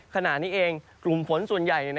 ขณะนี้เองกลุ่มฝนส่วนใหญ่